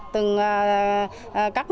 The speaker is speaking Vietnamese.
từng các nơi